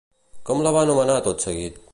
Com la va anomenar tot seguit?